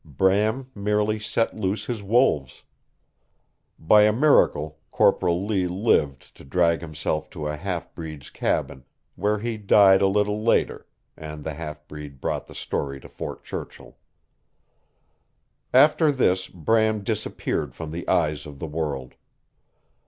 Bram merely set loose his wolves. By a miracle Corporal Lee lived to drag himself to a half breed's cabin, where he died a little later, and the half breed brought the story to Fort Churchill. After this, Bram disappeared from the eyes of the world.